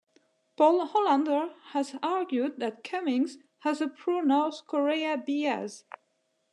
Paul Hollander has argued that Cumings' has a pro-North Korea bias.